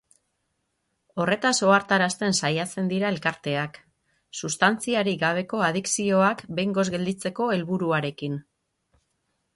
Horretaz ohartarazten saiatzen dira elkarteak, sustantziarik gabeko adikzioak behingoz gelditzeko helburuarekin.